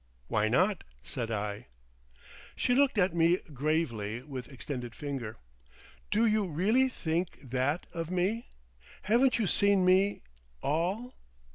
"Why not?" said I. She looked at me gravely, with extended finger. "Do you really think that—of me? Haven't you seen me—all?"